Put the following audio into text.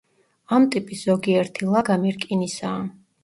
ამ ტიპის ზოგიერთი ლაგამი რკინისაა.